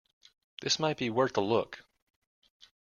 This might be worth a look.